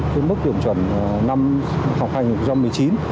cái mức điểm chuẩn năm học hai nghìn một mươi chín